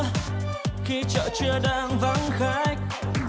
một mươi hai giờ khi chợ chưa đang vắng gạch